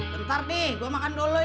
bentar nih gua makan dulu ya